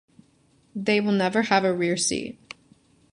They will never have a rear seat.